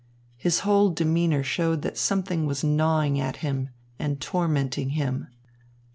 His whole demeanour showed that something was gnawing at him and tormenting him.